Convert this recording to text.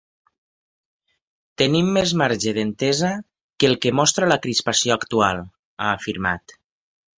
Tenim més marge d’entesa que el que mostra la crispació actual, ha afirmat.